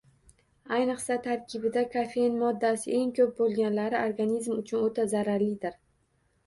Ayniqsa, tarkibida kofein moddasi eng koʻp boʻlganlari organizm uchun oʻta zararlidir.